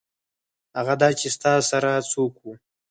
هغه دا چې ستا سره څوک وو.